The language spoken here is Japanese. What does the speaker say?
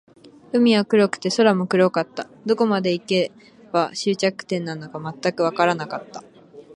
海は黒くて、空も黒かった。どこまで行けば、終着点なのか全くわからなかった。